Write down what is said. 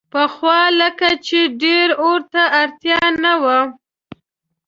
پخوا لکه چې ډېر اور ته اړتیا نه وه.